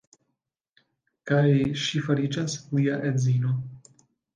Kaj ŝi fariĝas lia edzino.